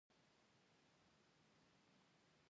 قانون پر چا پلی کیږي؟